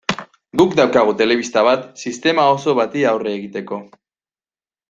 Guk daukagu telebista bat sistema oso bati aurre egiteko.